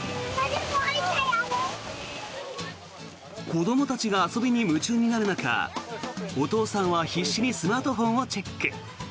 子どもたちが遊びに夢中になる中お父さんは必死にスマートフォンをチェック。